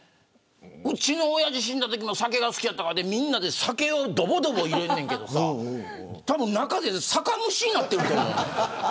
うちのおやじが死んだときも酒が好きやったからみんなで酒をどぼどぼ入れんねんけど中で酒蒸しになってると思う。